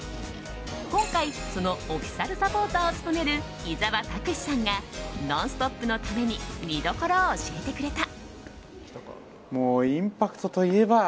今回、そのオフィシャルサポーターを務める伊沢拓司さんが「ノンストップ！」のために見どころを教えてくれた。